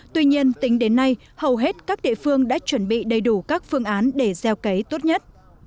tuy nhiên tính đến nay hầu hết các địa phương đã chuẩn bị đầy đủ các phương án để gieo cấy tốt nhất